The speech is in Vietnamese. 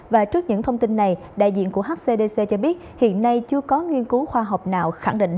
và trước những thông tin này đại diện của hcdc cho biết hiện nay chưa có nghiên cứu khoa học nào khẳng định